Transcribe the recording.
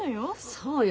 そうよ